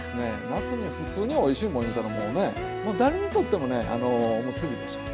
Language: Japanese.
夏にふつうにおいしいもんいうたらもうね誰にとってもねおむすびでしょう。